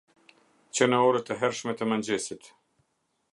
Që në orët e hershme të mëngjesit.